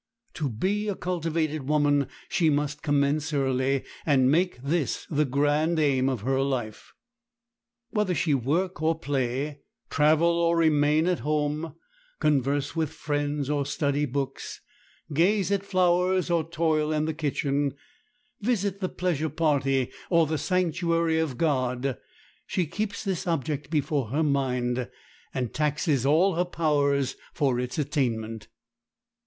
To be a cultivated woman she must commence early, and make this the grand aim of her life. Whether she work or play, travel or remain at home, converse with friends or study books, gaze at flowers or toil in the kitchen, visit the pleasure party or the sanctuary of God, she keeps this object before her mind, and taxes all her powers for its attainment.